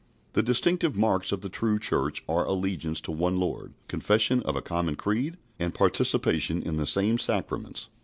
The distinctive marks of the true Church are allegiance to one Lord, confession of a common creed, and participation in the same Sacraments.